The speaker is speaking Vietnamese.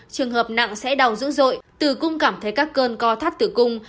trường hợp nặng sẽ đau dữ dội tử cung cảm thấy các cơn co thắt tử cung